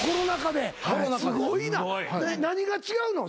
何が違うの？